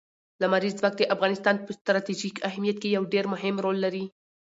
لمریز ځواک د افغانستان په ستراتیژیک اهمیت کې یو ډېر مهم رول لري.